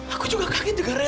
aku juga kaget dengar nek